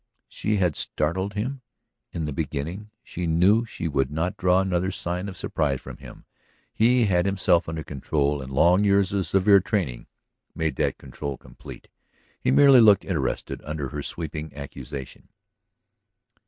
She had startled him in the beginning; she knew she would not draw another sign of surprise from him. He had himself under control, and long years of severe training made that control complete. He merely looked interested under her sweeping accusation.